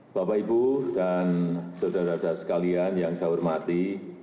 bapak ibu dan saudara saudara sekalian yang saya hormati